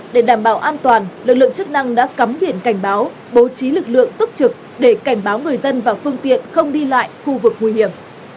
để đảm bảo an toàn lực lượng chức năng đã cắm biển cảnh báo bố trí lực lượng tốc trực để cảnh báo người dân và phương tiện không đi lại khu vực nguy hiểm